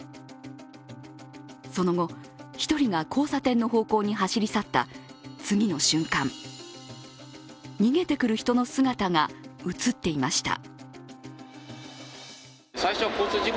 その後、１人が交差点の方向に走り去った次の瞬間逃げてくる人の姿が映っていました。